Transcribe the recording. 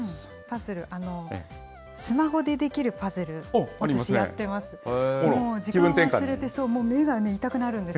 スマホでできるパズル、私、やってます。